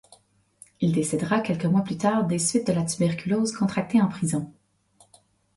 Il décédera quelques mois plus tard des suites de la tuberculose contractée en prison.